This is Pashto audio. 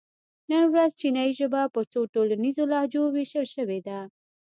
نن ورځ چینایي ژبه په څو ټولنیزو لهجو وېشل شوې ده.